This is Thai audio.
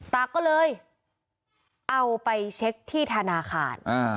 ตาก็เลยเอาไปเช็คที่ธนาคาร